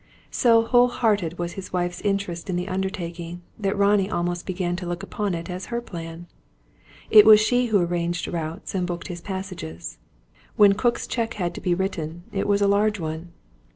So whole hearted was his wife's interest in the undertaking, that Ronnie almost began to look upon it as her plan. It was she who arranged routes and booked his passages. When Cook's cheque had to be written it was a large one.